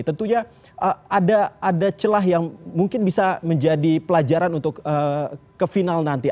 tentunya ada celah yang mungkin bisa menjadi pelajaran untuk ke final nanti